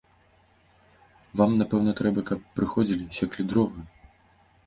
Вам, напэўна, трэба, каб прыходзілі, секлі дровы?